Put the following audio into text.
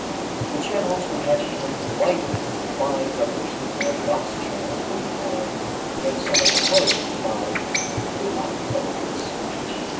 The channels would have become widened by the repetition and the opposite channels would have been somewhat closed by the lack of use.